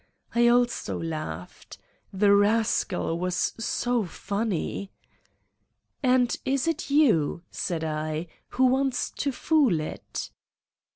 I also laughed. The rascal was so funny !'' And is it you, '' said I, '' who wants to fool it